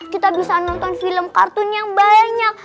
kita bisa nonton film kartun yang banyak